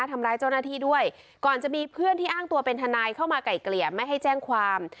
ทำร้ายเจ้าหน้าที่ด้วยก่อนจะมีเพื่อนที่อ้างตัวเป็นทนายเข้ามาไก่เกลี่ยไม่ให้แจ้งความ